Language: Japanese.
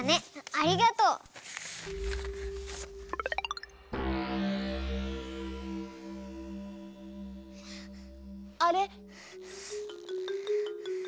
ありがとう！あれ？